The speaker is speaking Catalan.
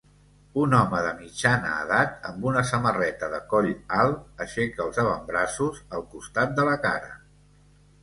Un home de mitjana edat amb una samarreta de coll alt aixeca els avantbraços al costat de la cara.